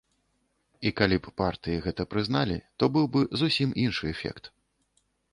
І калі б партыі гэта прызналі, то быў бы зусім іншы эфект.